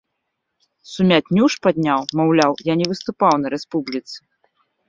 Сумятню ж падняў, маўляў, я не выступаў на рэспубліцы.